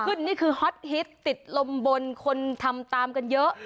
นี่คือฮอตฮิตติดลมบนคนทำตามกันเยอะ